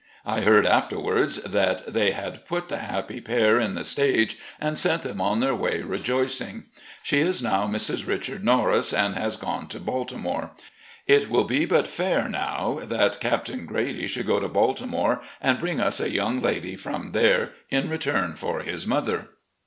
I heard after wards that they had put the happy pair in the stage and sent them on their way rejoicing. She is now Mrs. Richard Norris, and has gone to Baltimore. It will be but fair now that Captain Grady should go to Baltimore and bring us a young lady from there in return for his mother.